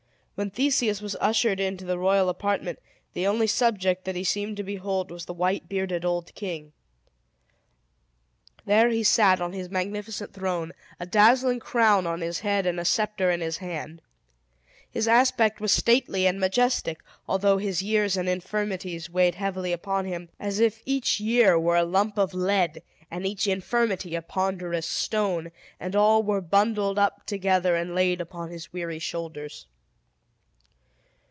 When Theseus was ushered into the royal apartment, the only object that he seemed to behold was the white bearded old king. There he sat on his magnificent throne, a dazzling crown on his head, and a scepter in his hand. His aspect was stately and majestic, although his years and infirmities weighed heavily upon him, as if each year were a lump of lead, and each infirmity a ponderous stone, and all were bundled up together, and laid upon his weary shoulders.